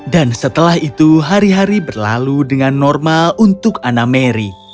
dan setelah itu hari hari berlalu dengan normal untuk anna mary